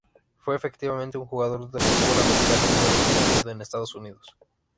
Fue efectivamente un jugador de fútbol americano muy reconocido en Estados Unidos.